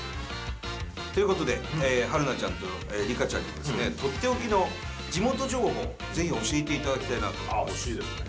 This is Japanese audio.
ということで春菜ちゃんと梨花ちゃんにもとっておきの地元情報ぜひ教えていただきたいなとああ、欲しいですね。